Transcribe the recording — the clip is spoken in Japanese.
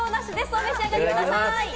お召し上がりください。